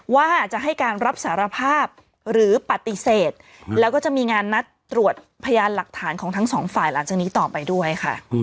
ว่าจะให้การรับสารภาพหรือปฏิเสธแล้วก็จะมีงานนัดตรวจพยานหลักฐานของทั้งสองฝ่ายหลังจากนี้ต่อไปด้วยค่ะ